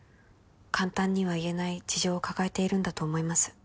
「簡単には言えない事情を抱えているんだと思います」